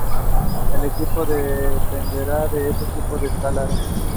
She has been prone to sneaking around his house to spy when that happens.